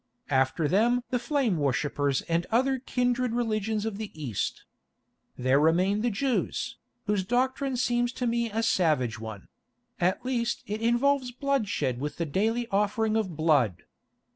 After them the flame worshippers and other kindred religions of the East. There remain the Jews, whose doctrine seems to me a savage one; at least it involves bloodshed with the daily offering of blood.